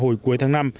hồi cuối tháng năm